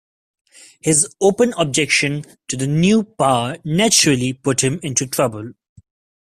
His open objection to the new power naturally put him into trouble.